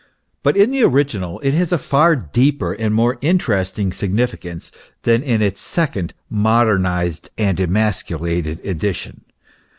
But in the original it has a far deeper and more interesting significance, than in its second modernized and emasculated edition.